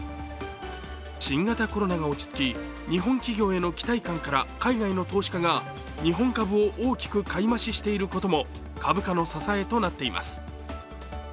新型コロナが落ち着き、日本企業への期待感から海外の投資家が日本株を大きく買い増ししていることも株価の支えとなっています。